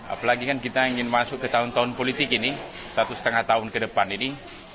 apalagi kan kita ingin masuk ke tahun tahun politik ini satu setengah tahun ke depan ini